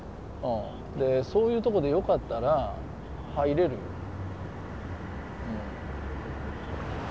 そういうとこで良かったら入れるよ。